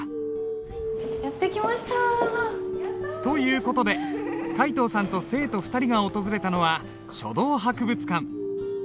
やって来ました。という事で皆藤さんと生徒２人が訪れたのは書道博物館。